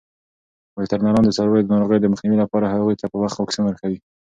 وترنران د څارویو د ناروغیو د مخنیوي لپاره هغوی ته په وخت واکسین ورکوي.